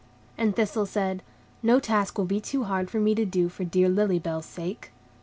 And Thistle said, "No task will be too hard for me to do for dear Lily Bell's sake."